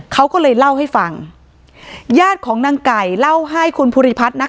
เขาก็เลยเล่าให้ฟังญาติของนางไก่เล่าให้คุณภูริพัฒน์นะคะ